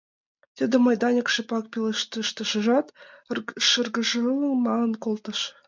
— Тиде мый, — Даник шыпак пелештышат, шыргыжалын, мален колтыш.